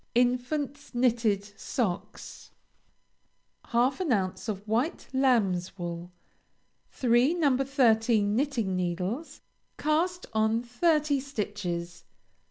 INFANT'S KNITTED SOCKS. Half an ounce of White Lamb's Wool. Three No. 13 Knitting Needles. Cast on Thirty stitches.